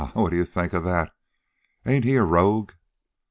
What d'ye think of that? Ain't he a rogue?"